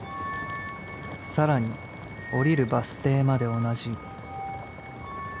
さらに降りるバス停まで同じ］